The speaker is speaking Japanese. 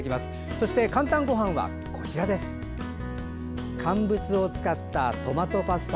そして「かんたんごはん」は乾物を使ったトマトパスタ。